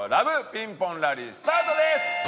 ピンポンラリースタートです！